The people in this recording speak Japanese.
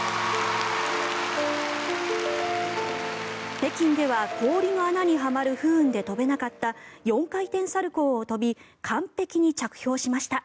北京では氷の穴にはまる不運で跳べなかった４回転サルコウを跳び完璧に着氷しました。